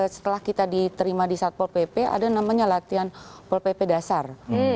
setelah kita diterima di satpol pp ada namanya latihan pol pp dasar